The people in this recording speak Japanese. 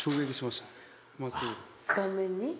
顔面に？